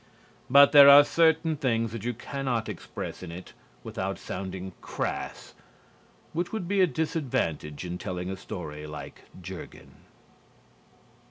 But there are certain things that you cannot express in it without sounding crass, which would be a disadvantage in telling a story like "Jurgen."